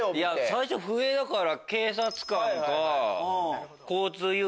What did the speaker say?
最初笛だから。